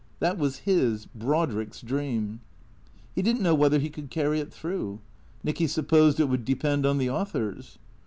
That was his, Brodrick's, dream. He did n't know whether he could carry it through. Nicky supposed it would depend on the authors.